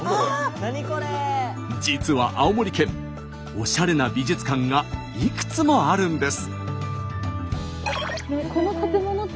実は青森県おしゃれな美術館がいくつもあるんです。